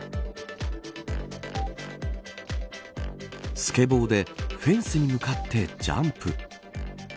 スケボーでフェンスに向かってジャンプ。